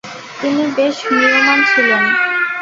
তিনি বেশ ম্রিয়মান ছিলেন।